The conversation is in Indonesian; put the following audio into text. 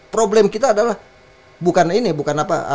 problem kita adalah bukan ini bukan apa